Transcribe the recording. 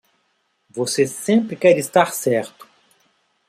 Você sempre quer estar certo.